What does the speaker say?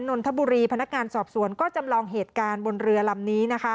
นนทบุรีพนักงานสอบสวนก็จำลองเหตุการณ์บนเรือลำนี้นะคะ